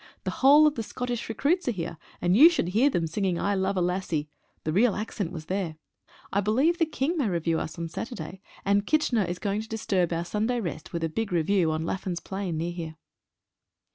The whole of the Scot tish recruits are here, and you should hear them singing — "I love a Lassie" — the real accent was there. I believe 6 THE HOSPITAL TRAIN. the King may review us on Saturday, and Kitchener is going to disturb our Sunday rest with a big review on Laffan's Plain near here.